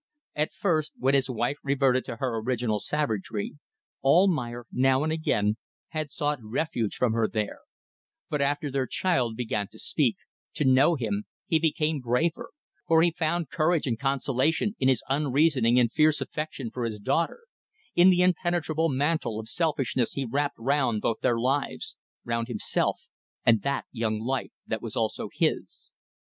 At first, when his wife reverted to her original savagery, Almayer, now and again, had sought refuge from her there; but after their child began to speak, to know him, he became braver, for he found courage and consolation in his unreasoning and fierce affection for his daughter in the impenetrable mantle of selfishness he wrapped round both their lives: round himself, and that young life that was also his.